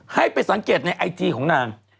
ให้ไปสังเกตในไอจีของนาง